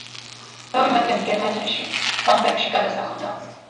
ბევრი მათგანი გერმანიაში, ბამბერგში გადასახლდა.